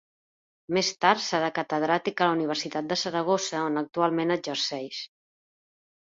Més tard serà catedràtica a la Universitat de Saragossa, on actualment exerceix.